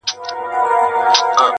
له هيبته به يې تښتېدل پوځونه!